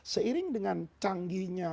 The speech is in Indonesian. seiring dengan canggihnya